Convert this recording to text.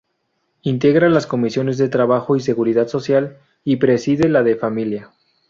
Integra las comisiones de Trabajo y Seguridad Social; y preside la de Familia.